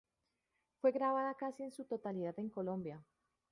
Fue grabada casi en su totalidad en Colombia.